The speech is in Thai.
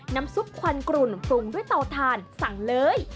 น้ำซุปควันกรุ่นปรุงด้วยเตาทานสั่งเลย